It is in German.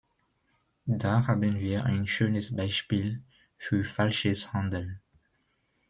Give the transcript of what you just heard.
Da haben wir ein schönes Beispiel für falsches Handeln!